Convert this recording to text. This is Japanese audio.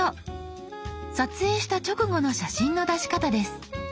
撮影した直後の写真の出し方です。